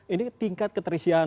ini tingkat keterisian